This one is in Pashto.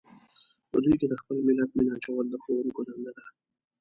په دوی کې د خپل ملت مینه اچول د ښوونکو دنده ده.